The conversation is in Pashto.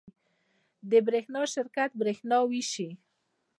د برښنا شرکت بریښنا ویشي